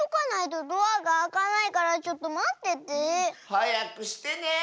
はやくしてね！